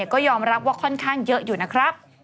ก็ยอมรับว่าค่อนข้างเยอะอยู่นะครับ